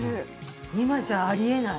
今じゃあり得ない。